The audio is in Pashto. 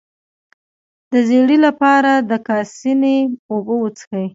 د ژیړي لپاره د کاسني اوبه وڅښئ